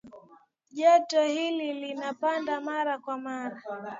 joto hili linapanda mara kwa mara